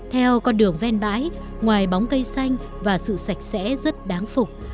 theo con đường ven bãi ngoài bóng cây xanh và sự sạch sẽ rất đáng phục